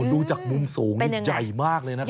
ดูจากมุมสูงนี่ใหญ่มากเลยนะครับ